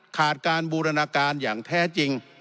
ขาดการบูรณาการอย่างแท้จริง